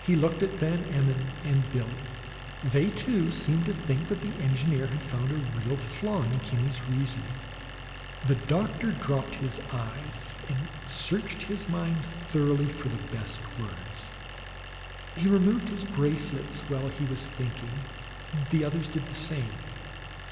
He looked at Van Emmon and Billie; they, too, seemed to think that the engineer had found a real flaw in Kinney's reasoning. The doctor dropped his eyes, and searched his mind thoroughly for the best words. He removed his bracelets while he was thinking; the others did the same.